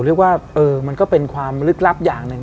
ผมเรียกว่ามันก็เป็นความฤกษ์ลัพธ์อย่างหนึ่ง